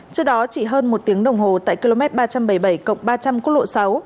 trước đó chỉ hơn một tiếng đồng hồ tại km ba trăm bảy mươi bảy cộng ba trăm linh quốc lộ sáu